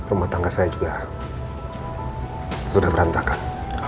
rumah tangga saya juga sudah berantakan